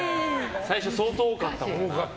最初、相当多かったもんな。